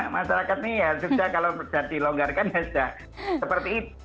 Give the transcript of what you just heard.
masyarakat ini ya sudah kalau sudah dilonggarkan ya sudah seperti itu